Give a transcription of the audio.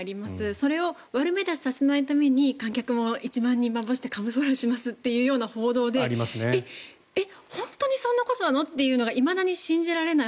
それを悪目立ちさせないために観客を１万人まぶしてカムフラージュしますという報道でえ、本当にそんなことなの？っていうのがいまだに信じられない。